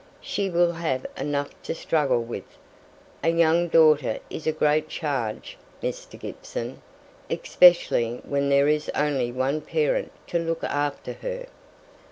she will have enough to struggle with. A young daughter is a great charge, Mr. Gibson, especially when there is only one parent to look after her."